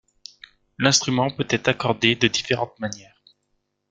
L'instrument peut être accordé de différentes manières.